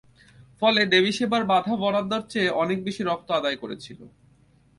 ফলে, দেবী সেবার বাঁধা বরাদ্দর চেয়ে অনেক বেশি রক্ত আদায় করেছিল।